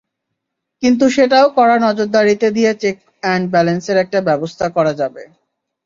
কিন্তু সেটাও কড়া নজরদারি দিয়ে চেক অ্যান্ড ব্যালেন্সের একটা ব্যবস্থা করা যাবে।